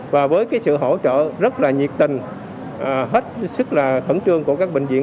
và với sự hỗ trợ rất nhiệt tình hết sức thẩm trương của các bệnh viện